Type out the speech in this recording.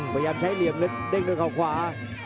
พยายามใช้เหลี่ยมเล็กเด้งด้วยเขาขวา